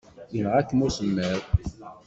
Yenɣa-ken usemmiḍ.